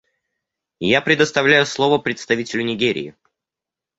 Я предоставляю слово представителю Нигерии.